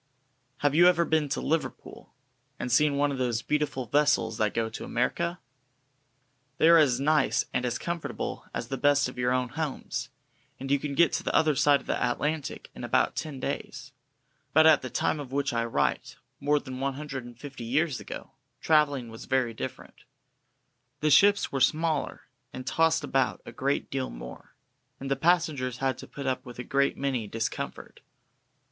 Have you ever been to Liverpool, and seen one of those beautiful vessels that go to America? They are as nice and as comfortable as the best of your own homes, and you can get to the other side of the Atlantic in about ten days. But at the time of which I write, more than one hundred and fifty years ago, travelling was very different. The ships were much smaller, and tossed about a great deal more, and the passengers had to put up with a great many discomforts.